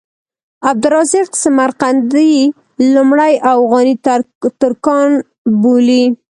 عبدالرزاق سمرقندي لومړی اوغاني ترکان بولي.